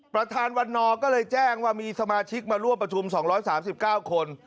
ประธานวันนอก็เลยแจ้งว่ามีสมาชิกมาร่วมประชุม๒๓๙คน